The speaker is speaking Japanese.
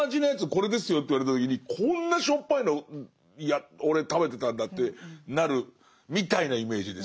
これですよと言われた時にこんなしょっぱいのいや俺食べてたんだってなるみたいなイメージです。